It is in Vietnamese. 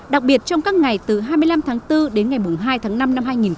đặc biệt trong các ngày từ hai mươi năm tháng bốn đến ngày hai tháng năm năm hai nghìn hai mươi bốn